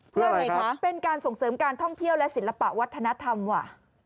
เพื่ออะไรคะเป็นการส่งเสริมการท่องเที่ยวและศิลปะวัฒนธรรมว่ะ